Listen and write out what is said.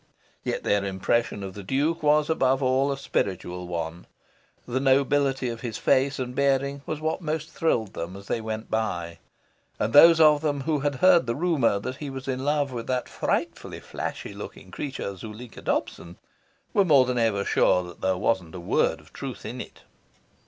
Yet their impression of the Duke was above all a spiritual one. The nobility of his face and bearing was what most thrilled them as they went by; and those of them who had heard the rumour that he was in love with that frightfully flashy looking creature, Zuleika Dobson, were more than ever sure there wasn't a word of truth in it.